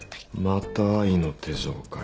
また『愛の手錠』かよ。